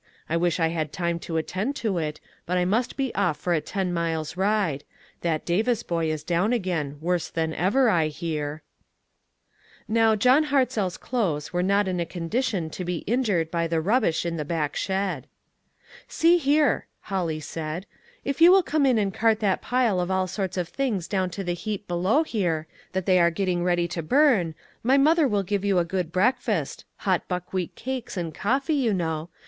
I wish I had time to attend to it ; but I must be off for a ten miles ride ; that Davis boy is down again, worse than ever, I hear." Now, John Hartzell's clothes were not in 214 ONE COMMONPLACE DAY. a condition to be injured by the rubbish in the back shed. "See here," Holly said, "if you will come in and cart that pile of all sorts of things down to the heap below here, that they are getting ready to burn, my mother will give you a good breakfast — hot buck wheat cakes, and coffee, you know.